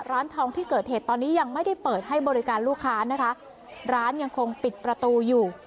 ร้านทองที่เกิดเหตุตอนนี้ยังไม่ได้เปิดให้บริการลูกค้านะคะร้านยังคงปิดประตูอยู่